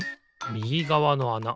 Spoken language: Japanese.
みぎがわのあな